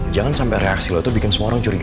jangan sampai reaksi lo tuh bikin semua orang curiga